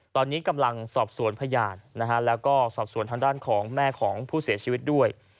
ตอนนี้กำลังสอบสวนพยานแล้วก็สอบสวนทางด้านของแม่ของผู้เสียชีวิตด้วย